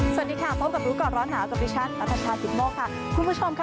สวัสดีค่ะพบกับรู้ก่อนร้อนหนาวกับดิฉันนัทชายกิตโมกค่ะคุณผู้ชมค่ะ